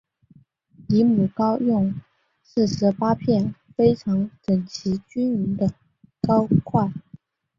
离母糕用四十八片非常整齐均匀的糕块。